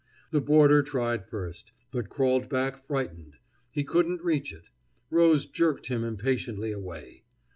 The boarder tried first, but crawled back frightened. He couldn't reach it. Rose jerked him impatiently away.